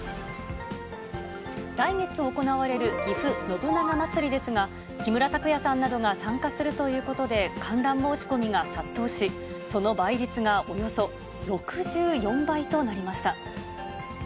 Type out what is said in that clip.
来月行われるぎふ信長まつりですが、木村拓哉さんなどが参加するということで、観覧申し込みが殺到し、その倍率がおよそ６４倍となりました。